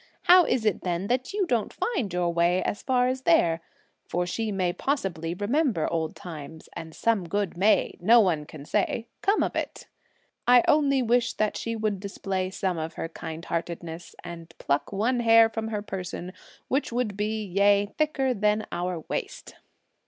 How is it then that you don't find your way as far as there; for she may possibly remember old times, and some good may, no one can say, come of it? I only wish that she would display some of her kind heartedness, and pluck one hair from her person which would be, yea thicker than our waist."